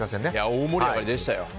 大盛り上がりでしたよね。